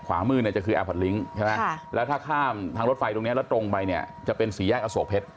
ข้างมือจะคือแอร์พอร์ตลิ้งค์ใช่ไหมแล้วถ้าข้ามทางรถไฟตรงไปจะเป็นสีแยกอโศกเพชร